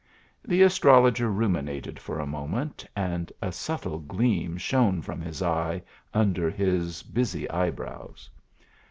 The astrologer ruminated for a moment, and a subtle gleam shone from his eye under his bushy eyebrows.